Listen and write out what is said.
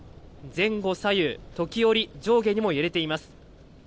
前後左右、時折、上下にも揺れています。